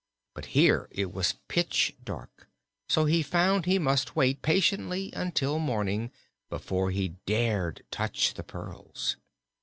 But here it was pitch dark, so he found he must wait patiently until morning before he dared touch the pearls.